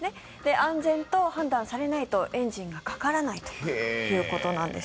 安全と判断されないとエンジンがかからないということなんです。